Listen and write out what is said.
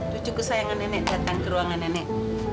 cucu kesayangan nenek datang ke ruangan nenek